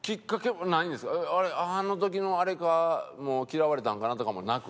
「あの時のあれか」も「嫌われたんかな」とかもなく？